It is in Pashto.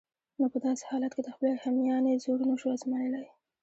نو په داسې حالت کې د خپلې همیانۍ زور نشو آزمایلای.